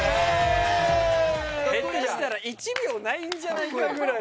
下手したら１秒ないんじゃないかぐらいの。